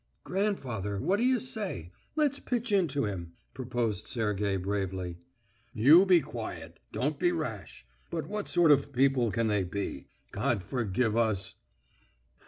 "Grandfather, what d'you say? Let's pitch into him!" proposed Sergey bravely. "You be quiet! Don't be rash! But what sort of people can they be? God forgive us...."